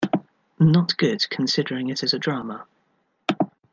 Not good considering it is a drama.